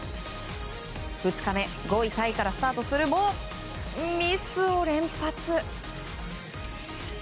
２日目、５位タイからスタートするもミスを連発。